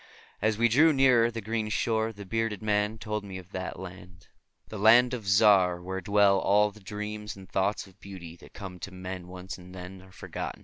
As we drew nearer the green shore the bearded man told me of that land, the Land of Zar, where dwell all the dreams and thoughts of beauty that come to men once and then are forgotten.